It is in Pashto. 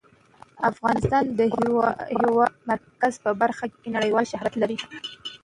افغانستان د د هېواد مرکز په برخه کې نړیوال شهرت لري.